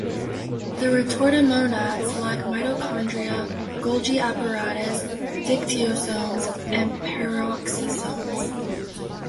The retortamonads lack mitochondria, golgi apparatus, dictyosomes, and peroxisomes.